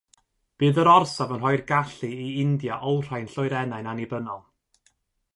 Bydd yr orsaf yn rhoi'r gallu i India olrhain lloerennau'n annibynnol.